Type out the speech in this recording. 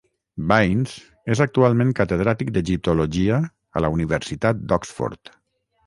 Baines és actualment Catedràtic d'Egiptologia a la Universitat d'Oxford.